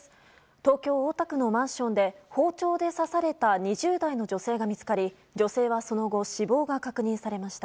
東京・大田区のマンションで包丁で刺された２０代の女性が見つかり女性はその後死亡が確認されました。